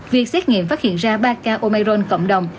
việc xét nghiệm phát hiện ra ba ca omairon cộng đồng